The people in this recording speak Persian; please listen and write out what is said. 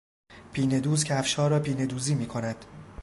پینهدوز کفشها را پینهدوزی میکند.